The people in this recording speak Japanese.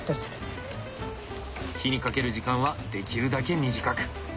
火にかける時間はできるだけ短く。